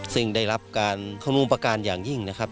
ซึ่งได้รับการคำนวณประการอย่างยิ่งนะครับ